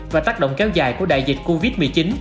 và tác động kéo dài của đại dịch covid một mươi chín